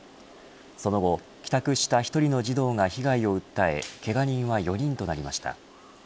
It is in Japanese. その後帰宅した１人の児童が被害を訴えけが人は４人となりました。